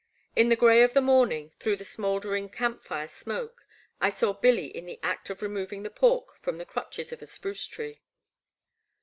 In the gray of the morning, through the smoulder ing camp fire smoke, I saw Billy in the act of re moving the pork from the crotches of a spruce tree.